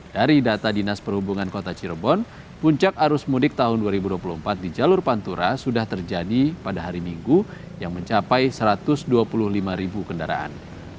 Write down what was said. dari data dinas perhubungan kota cirebon puncak arus mudik tahun dua ribu dua puluh empat di jalur pantura sudah terjadi pada hari minggu yang mencapai satu ratus dua puluh lima ribu kendaraan